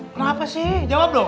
kenapa sih jawab dong